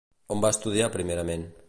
On va estudiar primerament?